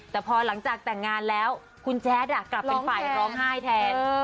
แต่พอหลังจากแต่งงานแล้วคุณแจ๊ดกลับเป็นฝ่ายร้องไห้แทน